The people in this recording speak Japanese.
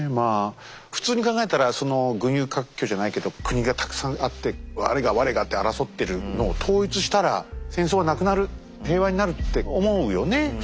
普通に考えたら群雄割拠じゃないけど国がたくさんあって我が我がって争ってるのを統一したら戦争はなくなる平和になるって思うよね普通ね。